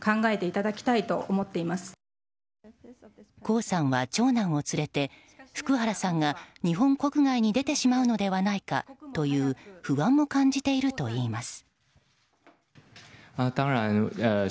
江さんは長男を連れて福原さんが日本国外に出てしまうのではないかという不安を感じているといいます。